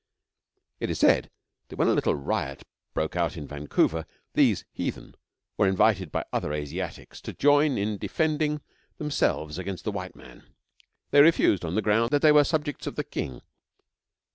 It is said that when the little riot broke out in Vancouver these 'heathen' were invited by other Asiatics to join in defending themselves against the white man. They refused on the ground that they were subjects of the King.